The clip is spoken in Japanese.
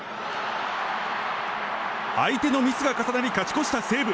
相手のミスが重なり勝ち越した西武。